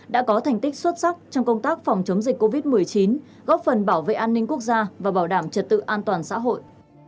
đã có thành tích xuất sắc trong công tác phòng chống dịch covid một mươi chín góp phần bảo vệ an ninh quốc gia và bảo đảm trật tự an toàn xã hội